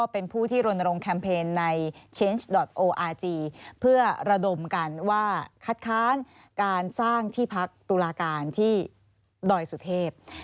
เพื่อระดมกันว่าคัดค้านการสร้างที่พักตุลาการที่ด่อยสุเทพ